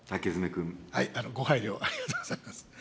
ご配慮ありがとうございます。